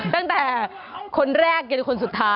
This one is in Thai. ตั้งแต่คนแรก๑๙๓๙